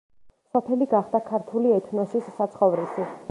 სოფელი გახდა ქართული ეთნოსის საცხოვრისი.